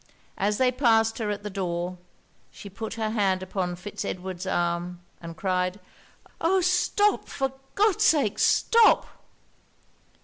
As they passed her at the door, she put her hand upon Fitz Edward's arm, and cried 'Oh! stop! for God's sake stop!'